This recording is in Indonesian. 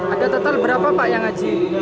ada total berapa pak yang ngaji